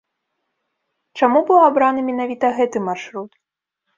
Чаму быў абраны менавіта гэты маршрут?